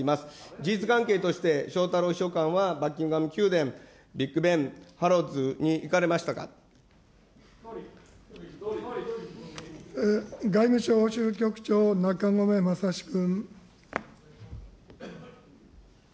事実関係として、翔太郎秘書官はバッキンガム宮殿、ビッグベン、外務省欧州局長、中込正志君。